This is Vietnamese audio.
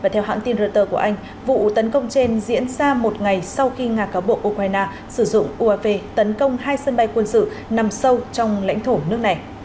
theo hãng tin reuters của anh vụ tấn công trên diễn ra một ngày sau khi nga cáo buộc ukraine sử dụng uav tấn công hai sân bay quân sự nằm sâu trong lãnh thổ nước này